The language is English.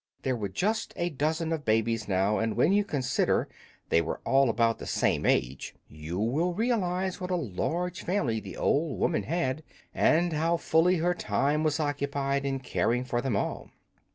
There was just a dozen of the babies now, and when you consider they were about the same age you will realize what a large family the old woman had, and how fully her time was occupied in caring for them all.